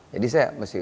jadi saya mesti tanya